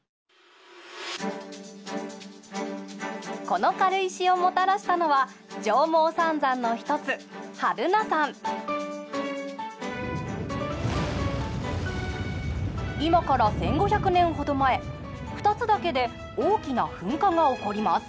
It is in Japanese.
この軽石をもたらしたのは上毛三山の一つ今から１，５００年ほど前二ツ岳で大きな噴火が起こります。